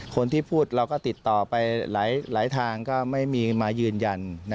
คนที่พูดเราก็ติดต่อไปหลายทางก็ไม่มีมายืนยัน